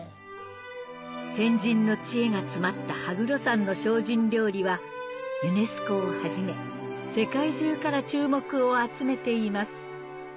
先人の知恵が詰まった羽黒山の精進料理はユネスコをはじめ世界中から注目を集めています